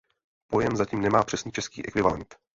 Pojem zatím nemá přesný český ekvivalent.